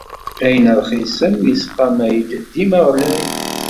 Ayen rxisen yesqamay-d dima ɣlay.